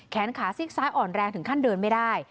แขนขาซีกซ้ายอ่อนแรงถึงขั้นเดินไม่ได้